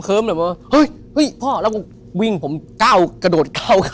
เฮ้ยพ่อแล้วก็วิ่งผมเก้ากระโดด๙คำ